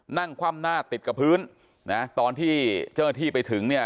คว่ำหน้าติดกับพื้นนะตอนที่เจ้าหน้าที่ไปถึงเนี่ย